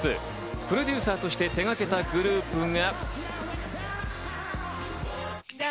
プロデューサーとして手がけたグループが。